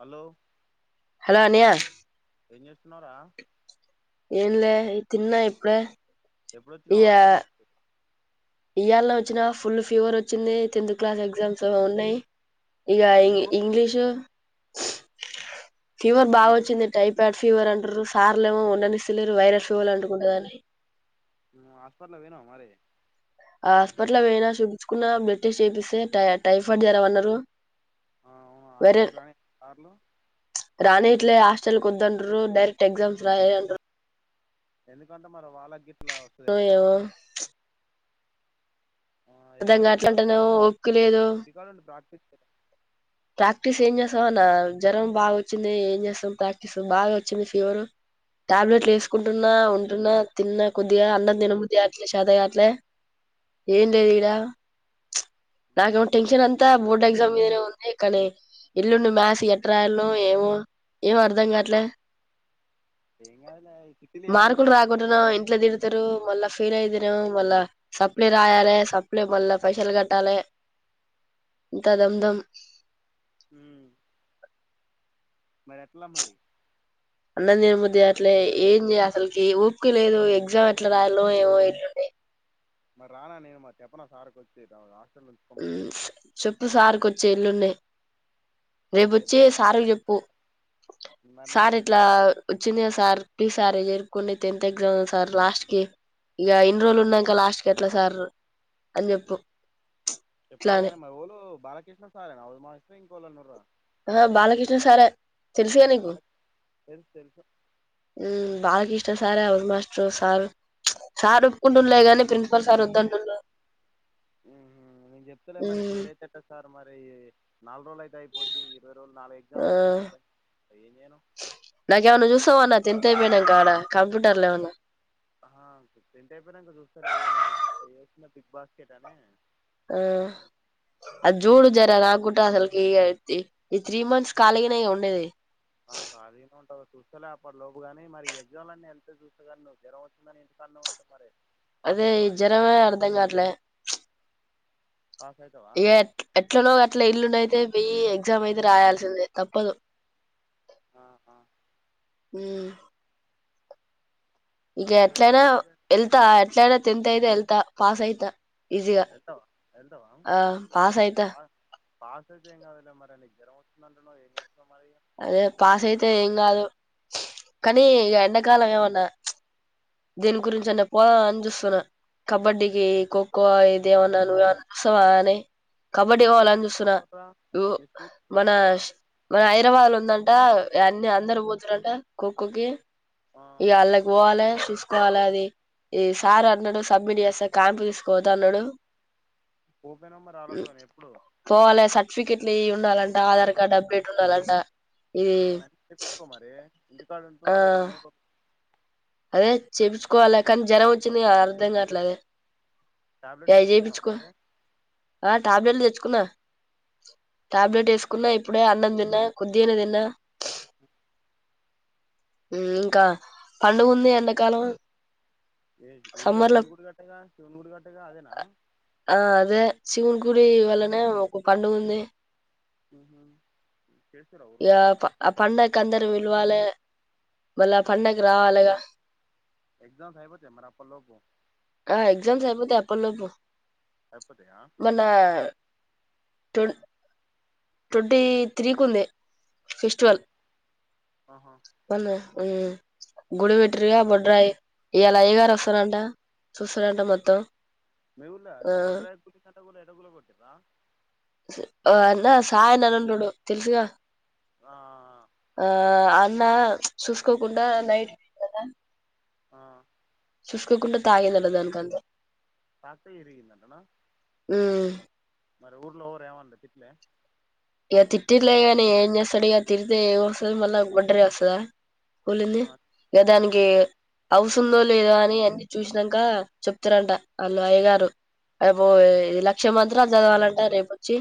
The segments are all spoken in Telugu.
హలో హలో అన్నయ్య ఏం చేస్తున్నావ్ రా ఏంలేదు తిన్నా ఇప్పుడే ఎప్పుడోచ్చినవ్ హాస్టల్ నుంచి ఇయాళ్ళ వచ్చినా ఫుల్ ఫీవర్ వచ్చింది. టెన్త్ క్లాస్ ఎగ్జామ్స్ ఉ ఉన్నాయి ఇగ ఇంగ్ ఎందుకు ఇంగ్లీషు ఫీవర్ బాగా వచ్చింది టైఫాయిడ్ ఫీవర్ అంటుర్రు సర్లేమో ఉండనిస్తలేరు. వైరల్ ఫీవర్ అంటుకుంటదని ఆ హాస్పట్లకు పోయినవ మరి ఆ హాస్పట్లకు పోయినా చూపించుకున్నా బ్లడ్ టెస్ట్ చేపిస్తే టై టైఫాయిడ్ జ్వరం అన్నరు ఆ అవును హాస్టల్ కి రానిస్తలేరా సార్లు [inaudible] రానిట్లే హాస్టల్ కి వద్దంటుర్రు డైరెక్ట్ ఎగ్జామ్స్ రాయ్ అంటర్రు ఎందుకంటే మరి వాళ్లగిట్ గిట్ల వస్తాదేమో అన ఏమో అర్థం కావట్లే ఇంటికాడ అంటున్నావు ఓపిక లేదు ఇంటికాడ ఉండి ప్రాక్టీస్ చేయి ప్రాక్టీస్ ఏం చేస్తావ్ అన్న జ్వరం బాగా వచ్చింది. [unintelligible] బాగా వచ్చింది ఫీవర్ టాబ్లెట్లు వేసుకుంటా ఉన్న ఉంటున్న అవును తిన్నా కొద్ది ఇగా అన్నం తినబుద్ది కావట్లేదు చేతగాట్లు ఏం లేదు ఈడ నాకేమో టెన్షన్ అంతా బోర్డ్ ఎగ్జామినే ఉన్నది. కానీ ఎల్లుండి మాథ్స్ ఎట్లా రాయాలో ఏమో ఏం అర్థం కావట్లేదు ఏం కాదులే ఈ చిట్టీలు ఏం మార్కులు అందట్లేవా మరి రాకుంటానో ఇంట్లో తిడతారు. మళ్ళ ఫెయిల్ అయితే నేమో మళ్ళ సప్లి రాయాలి. సప్లి మళ్ళ పైసల్ కట్టాలి. అంత దందాం హ్మ్ మరెట్లా మరి అన్నం తిన బుద్ధి కాట్లే ఏంది అసలుకి ఈ ఓపిక లేదు ఎగ్జామ్ ఎట్లా రాయాలో ఏమో ఎల్లుండి మరి రానా నేను మరి చెప్పనా మరి సార్ కి వచ్చి తమ హాస్ట హ్మ్ చెప్పు సార్ కొచ్చి ల్లున్నాయి రేపు వచ్చి చెప్తే సార్ గానీ చెప్పు మరి నేను సార్ ఇట్లా ఇలా వచ్చింది. సార్ ప్లీజ్ సార్ ఎరుకొని టెన్త్ ఎగ్జామ్స్ సార్ లాస్ట్ కి ఇగా ఇన్నీ రోళ్లు ఉన్నాక లాస్ట్ కి ఎట్లా సార్ అని చెప్పు ఇట్లా అని చెప్తాగాని మరి ఎవలు బాలకృష్ణ సరేనా మాస్టరు ఇంకా ఎవరైనా ఉన్నారా ఆహ బాల బాలకృష్ణ సారే తెలుసు కదా నీకు బాలకృష్ణ తెలుసు తెలుసు ఉమ్ బాలా ఇష్టం సరే హౌస్ మాస్టర్ సార్ సార్ ఒప్పుకుంటున్నా గాని ప్రిన్సిపాల్ సర్ వద్దంటున్నారు ఉమ్ నేను చెప్తాలే మరి ఫెయిల్ అయితే ఎట్లా సార్ మరీ నాలుగు రోజులు అయితే అయిపోద్ది ఇరవై రోజులు నాలుగు ఆ ఎగ్జామ్లు అయితే అయిపోతాయి ఏం చేయను నాకేమన్నా చూస్తావా అన్న టెన్త్ అయిపోయినంక ఆడ కంప్యూటర్లు ఏమన్నా ఆహా టెన్త్ అయిపోయినంక చూస్తాలే ఇదిగో నేను ఇక్కడ చేస్తున్న బిగ్ బాస్కెట్ అని ఆ అ జోడు జర నాకు కూడా అసలుకి ఈ త్రీ మంత్స్ కాలిగనే కదా ఉండేది. ఆ కాళి గానే ఉంటావ్ చూస్తేలే అప్పటి లోపుగాని మరి ఎగ్జామ్స్ అన్నీ ఎళ్తే చూస్తా కానీ నువ్వు జ్వరం వచ్చిందని ఎట్లా అన్నావ్ ఇప్పుడు మరే అదే జ్వరమే అర్థం కాట్లే పాస్ అయితావా ఇగా ఎట్లా ఎట్లనో గట్లా ఎల్లుండి అయితే అయితే బి ఎగ్జామ్ అయితే రాయాల్సిందే తప్పదు. ఆహా హ్మ్ ఇగా అక్షయ్ గాడు ఎట్లయినా వెళ్తా ఎట్లయినా టెన్త్ అయితే ఎళ్తా పాస్ అయితా ఈజీగా వెళ్తావా వెళ్తావా ఆ పాస్ అయితా పా పాస్ అయితే ఏం కాదులే మరి అది జ్వరం వచ్చింది అంటున్నావు ఏ చేస్తున్నావు మరి అదే పాస్ అయితే ఎం కాదు కానీ ఈ ఎండాకాలం ఏమన్నా దేని గురించి అన్న పోదావ అని చూస్తున్నా. కబడ్డీకి, ఖోఖో ఇది ఏమన్నా నువ్వమన్నవస్తవా అని మీ కబడ్డీ స్కూల్ పోవాలని చూస్తున్నా. పోతావా మీ స్కూల్ మన తీసుకుపోరా మన హైదరాబాద్ లో ఉందంటా. అన్ని అందరుూ పోతుారంట. ఖోఖోకి ఇగ అళ్ళకి పోవాలే చూసుకోవాలి. అది ఈ సార్ అన్నాడు సబ్మిట్ చేస్తా క్యాంప్ తీసుకుపోతా అన్నాడు. పోపోయ్నవ్ మరి ఆళ్ళ తోని ఎప్పుడు. ఫికెట్ ఉండాలంట. ఆధార్ కార్డ్ అప్డేట్ ఉండాలంట. ఇది ఉహ్ నక్ చెప్ కో మరి ఇంటికాడ ఆ ఉంటున్నావ్ రెండు మూడు అదే చెప్పిచుకోవాల్ల. కానీ జరం వచ్చింది కదా అర్ధం కాట్లే టాబ్లెట్లు తెచ్చుకున్నావా. మరే ఆ టాబ్లెట్లు తెచ్చుకున్నా. టాబ్లెట్ ఏసుకున్నా ఇప్పుడే. అన్నం తిన్ న్న కొద్దిగనేదిన్న. ఉహ్ ఉహ్మ్ ఇంకా పండుగుంది. ఎండాకాలం ఏ మీవులే సమ్మర్ లో శివున్ గుడి గట్టేగా, శివున్ గుడి గట్టేగా అదేనా. ఆ అదే శివుని గుడి వల్లనే ఒక పండుగుంది. ఉహ్ హు పండ కందరు విల్వాాలే మళ్ళా పండగ రావాలగా ఎగ్జామ్స్ అయిపోతాయా మరి అప్పట్లోపూ. పల్లోపు అయిపోతాయా. తుడ్ ట్వంటీ త్రీకి ఉంది. ఫెస్టివల్. ఆహా మోన్న ఉహ్ గుడిబెట్రిగా బొడ్రాయి. ఇయ్యాలా ఆ అయగారు వస్తారంట, ఆ చూస్తారంట మొత్తం. ఆహ్ ఎట్ట గురే ఎట్ట గుల కొట్టిర్రా ఓ అన్నా సాయన్న ఉన్నాడు. తెలుసుగా ఆ ఆహ్ అన్ న్నా చూసుకోకుండా నైట్ కదా ఆహ్ చూసుకోకుండా తాగేద్ల దానికంతే తక్తే ఇరిగిందంటనా. ఉమ్ మరి ఊర్లో ఎవరు ఎమనలే తిట్లే. ఇగా తిటిల్లే గాని ఎం చేస్తడు ఇగా తిడితే ఏం వస్తది మల్లా బొడ్రాయి వస్తదా. కూలింది ఆ ఇగా దానికి అన్ అవుసుందో లేదో అని అన్ని చూశినంకా చెప్తారంట వాళ్ళు అయ్యగారు రేపు లక్ష మంత్రాలు చదవాలంట రేపొచ్చి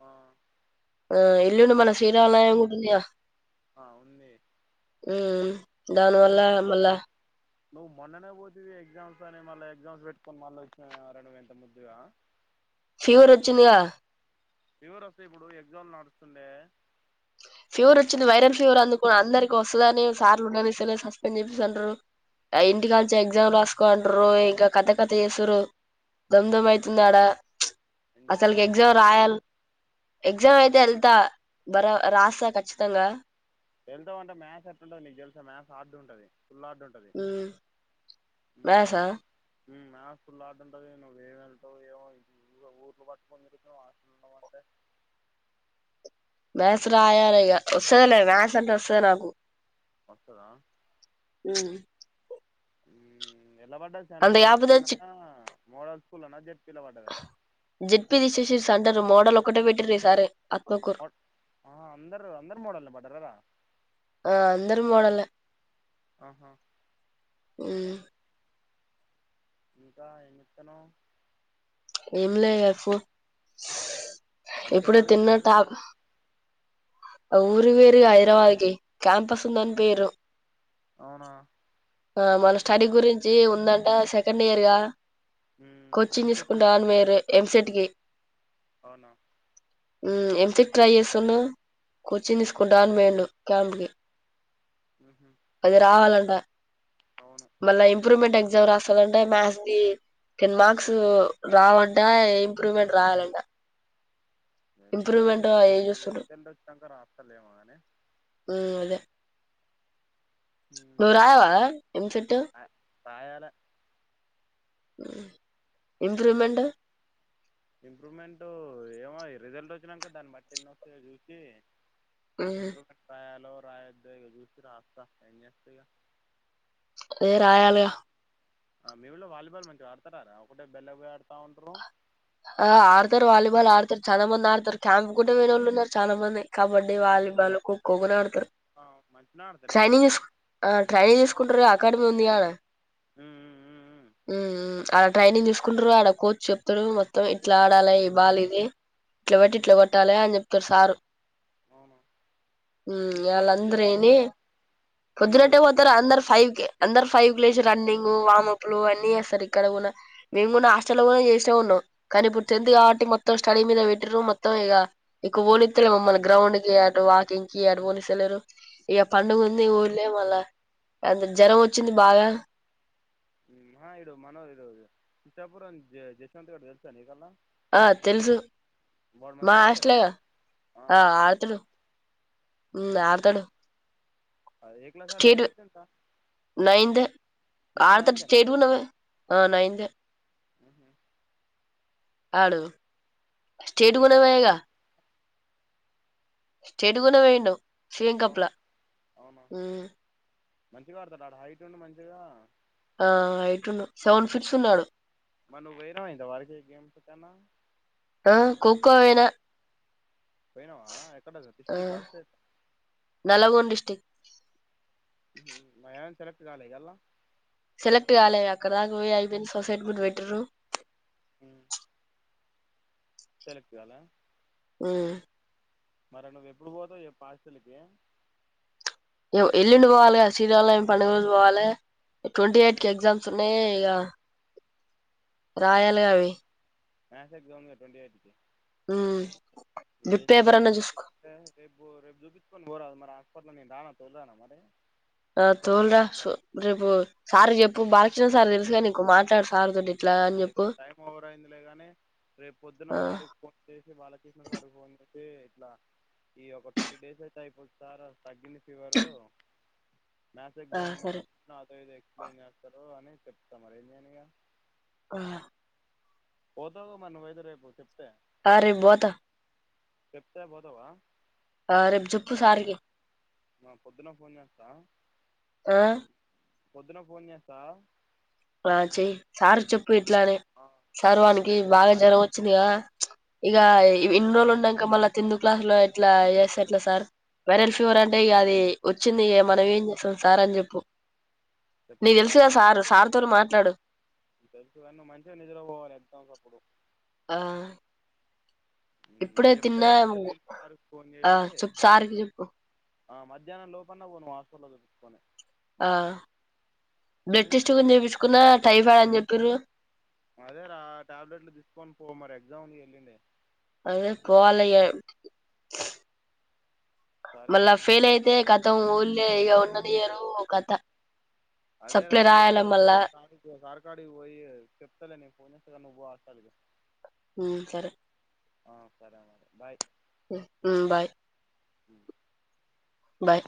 ఆ ఆ ఎల్లుండి మన శ్రీరామ నవమి కూడా ఉందిగా. ఆ ఉంది హ్ దానివల్ల నువ్వు నిన్న మళ్ళా నువ్వు మొన్ననే పోతివి ఎగ్జామ్స్ అని, మళ్ళ ఎగ్జామ్స్ పెట్టుకొని మళ్ళీ వచ్చినవార నువ్వు ఎంత ముద్దుగా. ఫీవర్ వచ్చింది కదా. ఫీవర్ వస్తే ఇప్పుడు ఎగ్జామ్స్ లు నడుస్తుండే. ఫీవర్ వచ్చింది వైరల్ ఫీవర్ అందుకు అందరికి వస్తదని సార్లు ఉండనిస్తలే సస్పెండ్ చేపిస్తారు. ఆ ఇంటి కానుంచే ఎగ్జామ్స్ రాసుకో అంటుర్రు. ఇంకా కథ కథ చేస్తుర్రు దమ్ దమ్ అయితుంది ఆడా. నేను చెప్తా అసలుకి ఎగ్జామ్ ఒకసారి రాయల్ ఎక్జామ్ అయితే ఎల్త బరా రాస్తా ఖచ్చితంగా. వెళ్తవు అంటే మ్యాథ్స్ ఎట్లుంటది నీకు తెలుసా మ్యాథ్స్ హార్డు ఉంటది. ఫుల్లు హార్డ్ ఉంటది. ఉమ్ హ్ మ్యాథ్సా హ్ మ్యాథ్స్ ఫుల్లు హార్డ్ ఉంటది. నువ్వు ఏం ఎల్తవో ఎమో నువ్వు ఊర్లు పట్టుకొనిరుగుతున్నవు హాస్టల్లో ఉండమంటే. మ్యాస్ రాయాలే ఇగా వస్తదిలే మ్యాస్ అంటే వస్తది నాకు. వస్తదా హ్ హ్మ్ ఎల్ల బడ్డది అంత సెంటర్ కాకపోతే జెడ్పిల్నా, మోడల్ స్కూల్లనా, జెడ్పి లా వడ్డదా. సెంటరు మోడల్ ఒకటే పెట్టిర్రు ఈసారి. ఆత్మకూరు ఆ అందరు అందరు మోడలన్నె పడ్డరార. ఆ అందరు మోడల్నె. ఆహా హ్ ఇంకా ఎంచెత్తనవు. ఏం లే ఫో అక్షయ్ ఇప్పుడే గాడు తిన్నా గిట్ల ఎటు టాబ్ పోయిండు ఆ ఊరికి పొయిర్రుగా హైదరాబాద్కి క్యాంప్ వస్తుందని పోయిర్రు. అవునా. ఆ మళ్ళా స్టడీ గురించి ఉందంట సెకండ్ ఇయర్ గా హ్మ్ కోచింగ్ ఎంసెట్ తీసుకుంటా అని పోయిర్రు ఎంసెట్ కి. అవునా. హ్ ఎంసెట్ ట్రై చేస్తుండు. కోచింగ్ హ్మ్ తీసుకుంటా అని పోయిండు. క్యాంపుకి ఉహు అది రావాలంట అవును మళ్ళా ఇంప్రూవ్మెంట్ ఎగ్జా రాస్తాలంట మ్యాథ్స్ కి టెన్ మార్క్స్ రావంట ఇంప్రూవ్మెంట్ రాయాలంట ఇంప్రూవ్మెంట్ అయి చూస్తుండు ఇంప్రూవమెంట్ం క రాఫతలే అనే నూరుయవా ఎం చెట్ రాయాల ఇంప్రూవ్మెంట్ ఇంప్రూవ్మెంట్ ఏమో రిజల్ట్ వచ్చినాక దాన్ని బట్టి ఎన్ని వస్తాయో చూసి నింగరు కట్టయాల ప్రయద్ద దూసరా హఫస ఎన్నిస్త వేరయాల మీళ్ళ వాలీబాల్ మంచిగా ఆడతారా ఒకటే బెల్ల పోయ ఆడుతా ఉంటారు ఆ ఆడతారు వాలీబాల్ ఆడతారు చాలా మంది ఆడతారు క్యాంప్ కూడా వేన వాళ్ళు ఉన్నారు చాలా మంది కబడ్డీ వాలీబాల్ ఖోఖోగా ఆడతారు ఆ, మంచిగా ఆడతారు ఏంది ట్రైనింగ్ ట్రైనింగ్ అంట అకాడమి ఉందిీను హ్మ్ హ్మ్ హ్మ్ అ ట్రైనింగ్ చూసుకుంటారు ఆడ కోచ్ చెప్తారు మ మొత్తం ఇట్లా ఆడాలి బాాల ఇది ఇట్ల బట్టి ఇట్లా హ్మ్ కొట్టాలి అని చెప్ప ప్రసార్ అవును మీ స్కూల్ నుంచి వాళ్ళందరని వాడుండేగా మనోడు పొద్దునట్టే కిష్ట పోతారా అందరు ఫైవ్ క అందర్ ఫైవ్్లేజ రన్నింగ్ వమప్ లు అన్నీ చేస్తారు ఇక్కడ కూడా మేము కూడా హాస్టల్ లో కూడా చేస్తే ఉన్నాం కానీ ఇప్పుడు టెంతత్ కాబట్టి మొత్తం స్టడీ మీద పెట్టరు మొత్తం ఇక ఇక ఓలిెస్తలే మమ్మ గ్రౌండ్ క ఇడు వాకింగ్ కి ఇారు పోఓలిస్తెలేరు ఇక పండుగ ఉంది ఊళలే మళ్ళ అంత జ్వరం వచ్చింది బాగా హా ఇడు మనోర్ ఇడు చిత్తాపుూర్ం జయశవంత్ గడ్ వెల్సాన ఇకల్ ఆ తెలుసు మా మంచిగా ఆడతాడా ఆస్లేగా ఆ ఆడతాడు ఉమ్, ఆడతాడు ఏ క్లాసార్ స్టేట్ నైంటంత ఆరు త స్టేట్ ఉన్నావ ఆ నైన్ ఆహ ఆడు స్టేట్ కొనగా నీకంటే ఇంకా క్లాస్ స్టేట్గున పోయిండు శింకప్ల అవునా అవునా ఉ మంచిగా ఆడతడు ఆడు హైట్ ఉండు మంచిగా ఆ హైట్ సెవెన్ ఫిఫ్స్ ఉన్నాడు మోన వైరం అయిందా వారికి గేమ్స్ కన్నా కొక్కోపోయినా పోయినావా ఎక్కడ ఆది ఆ డిస్ట్రిక్ట్ హా స్టేట్ నల్లగొండ డిస్టిక్ [unintelligible] సెలెక్ట్ కాలే ఇయ్యాల సెలెక్ట్ కాలే అక్కడ దాకా పోయి ఆగిపోయింది. సొసైటీ గుడ పెట్టిరృ సెలెక్ట్ కాలే ఉ మరే నువ్వు ఎప్పుడు పోతావు చెప్పు హాస్టల్ కి ఎల్లుండి పోవాలి గ శ్రీరామనవమి పండగ రోజు పోవాలి. ట్వంటీ ఎయిట్ కి ఎగ్జామ్స్ ఉన్నాయి. ఇగా రాయాలీ గా మ్యాథ్స్ అవి మ్యాథ్స్ ఎగ్జామ్ గా ట్వంటీ ఎయిట్ కి నువ్వు బిట్ ఏం పేపర్ చదువుతావు. అన్నా మరి చూసుకో [unintelligible] రేపు రేపు చూపించుకుని పోరాదు మరి హస్ అప్పట్లో నే రాన తోల్రన మరే ఆ తోల్రా రేపు సారుకి చెప్పు బాలకృష్ణ సార్ తెలుసుగా నీకు మాట్లాడు సార్ తొటి అయితే టైం ఓవర్ అయింది. లే గాని రేపు పొద్దున్న ఆ సార్కి ఫోన్ చేసి బాలకృష్ణ సార్కి ఫోన్ చేసి అతే ఇట్లా ఈ ఒక ట్వంటీ డేస్ అయితే అయిపోద్ది సారు తగ్గింది ఫీవరు మ్యాస్ ఆ ఎగ్జామ్ ఉంది సరే అల్లకు [unintelligible] ఇప్పుడు ఎం చేస్తారు అని చెప్తా మరి ఏం చేయను ఇగ ఆ పోతావుగా మరి నువ్వుయితే రేపు చెప్తే అ రేపూ పోత చెప్తే బొతవ ఆ రేపు జేప్పు సార్కి మా పొద్దున్న ఫోన్ చేస్తా ఆ పొద్దున పోన్ చేస్తా ఆ చెయ్యి సార్కి చెప్పు ఇట్లానే ఆ, సారు నువ్వు వానికి బాగా మా- జ్వరం వచ్చింది గా ఇంకా ఆ, ఇన్ని రోజులు ఉన్నంక మళ్ళా టెన్త్ క్లాస్ లో ఎట్లా చేస్తేట్లా సార్ వైరల్ ఫీవర్ అంటే ఇ అది వచ్చింది. మనం ఏం చేస్తాం సార్ అని చెప్పు నీకు చెప్తులే కానీ తెలుసుగా నువ్వు సార్ మంచి సార్ తోని మాట్లాడు తెలుసు గాని నువ్వు మంచిగా నిద్ర పోవాలి ఎక్జామ్స్ అప్పుడు ఆ ఉమ్, నేను ఇప్పుడే తిన్నా చెప్తలే పొద్దుటి సార్కి ఫోన్ ఆ చేసి చెప్పు సార్కి చెప్పు ఆ మధ్యాన్నం లోపన్న పో నువ్వు హాస్పిటల్ ల చూపిచ్చుకొని ఆ బ్లడ్ ఉమ్ టెస్ట్ కూడా చేపిచ్చుకున్న టైఫాడ్ అని చెపిర్రు అదే రా టాబ్లెట్లు తీసుకొని పో మరి ఎగ్జామ్ ఉంది గా ఎల్లుండే అదే పోవాలీ ఇగా సరే మళ్ళ మరి ఫెల్ ఎయితే కాత త్తం ఊళ్ళే ఇగ ఉన్న నీయరు కథ అదే రా సప్లై నేన్ చెప్తా రాయాల మళ్ళా గాని సార్కాడికి పోయి చెప్తాలే నేన్ పోన్ చేస్తా గాని నువ్వు పో ఓ ఆర్ సల్లిగా హ్మ్ సరే ఆ సరే మరి బాయ్ హు హ్మ్ బాయ్ మ్ బాయ్